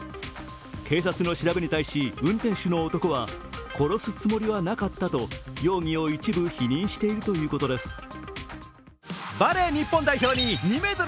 警察の調べに対し、運転手の男は殺すつもりはなかったと容疑を一部否認しているということです。